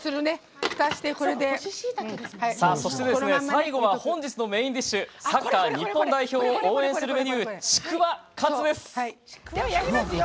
最後は本日のメインディッシュサッカー日本代表を応援するメニュー「ちくわカツ」です。